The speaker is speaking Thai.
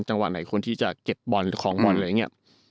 จังหวะไหนควรที่จะเก็บบอลหรือคลองบอลอะไรอย่างนี้